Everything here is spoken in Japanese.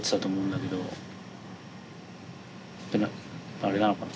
あれなのかな？